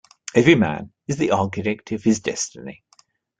Every man is the architect of his destiny.